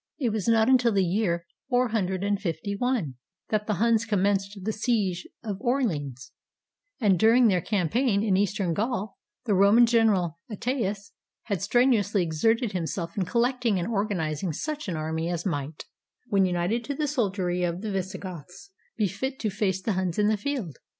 ... It was not until the year 451 that the Huns com menced the siege of Orleans ; and during their campaign in Eastern Gaul, the Roman general Aetius had strenu ously exerted himself in collecting and organizing such an army as might, when united to the soldiery of the Visigoths, be fit to face the Huns in the field.